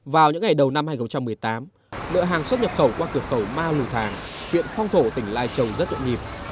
vào những ngày đầu năm hai nghìn một mươi tám lượng hàng xuất nhập khẩu qua cửa khẩu ma lù thàng huyện phong thổ tỉnh lai châu rất nhộn nhịp